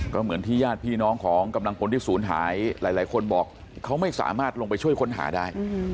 ก็เหมือนที่ญาติพี่น้องของกำลังพลที่ศูนย์หายหลายคนบอกเขาไม่สามารถลงไปช่วยค้นหาได้